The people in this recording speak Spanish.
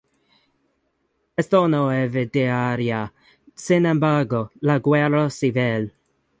Esto no evitaría, sin embargo, la guerra civil.